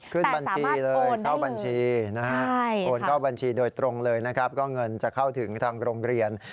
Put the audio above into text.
ขึ้นบัญชีเลยเข้าบัญชีนะฮะโอนเข้าบัญชีโดยตรงเลยนะครับก็เงินจะเข้าถึงทางโรงเรียน